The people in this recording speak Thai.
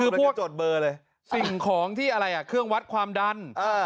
คือมันจะจดเบอร์เลยสิ่งของที่อะไรอ่ะเครื่องวัดความดัน